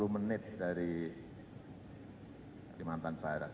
empat puluh menit dari timantan barat